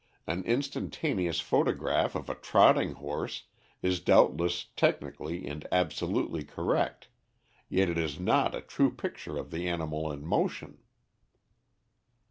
An instantaneous photograph of a trotting horse is doubtless technically and absolutely correct, yet it is not a true picture of the animal in motion."